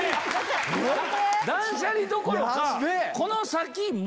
断捨離どころか。